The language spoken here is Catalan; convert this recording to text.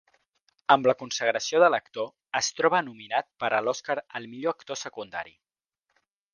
Amb la consagració de l'actor, es troba nominat per a l'Oscar al millor actor secundari.